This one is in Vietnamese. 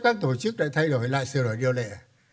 các tổ chức lại thay đổi lại sửa đổi điều lệ